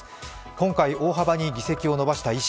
今回、大幅に議席を伸ばした維新。